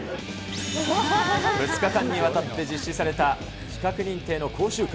２日間にわたって実施された資格認定の講習会。